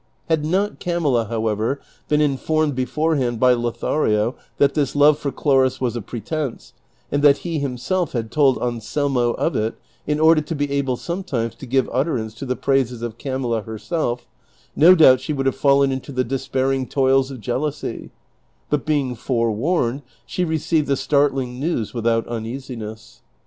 Had not Camilla, however, been informed beforehand by Lothario that this love for Chloris was a pretence, and that he himself had told Anselm i of it in order to be able sometimes to give utterance to the praises of Camilla herself, no doubt she would have fallen into the despairing toils of jealousy ; but being forewarned she received the startling news without uneasiness.